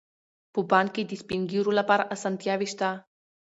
په بانک کې د سپین ږیرو لپاره اسانتیاوې شته.